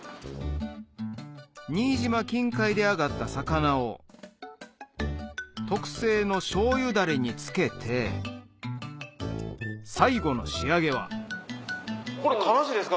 新島近海で揚がった魚を特製のしょうゆダレに漬けて最後の仕上げはカラシです。